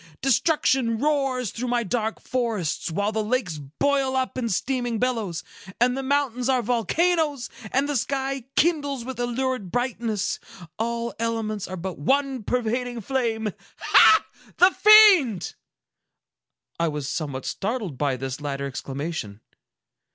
—destruction roars through my dark forests, while the lakes boil up in steaming billows, and the mountains are volcanoes, and the sky kindles with a lurid brightness! All elements are but one pervading flame! Ha! The fiend!" I was somewhat startled by this latter exclamation.